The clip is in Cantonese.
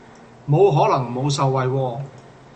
冇可能冇受惠喎